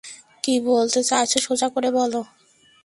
কী বলতে চাইছ সোজা করে বলো।